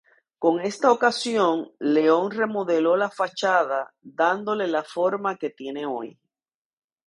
Con esta ocasión, León remodeló la fachada, dándole la forma que tiene hoy.